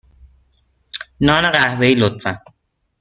نان قهوه ای، لطفا.